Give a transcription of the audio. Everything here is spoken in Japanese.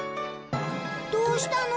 どうしたの？